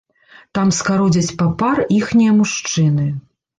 Там скародзяць папар іхнія мужчыны.